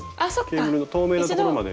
ケーブルの透明なところまでグーッと。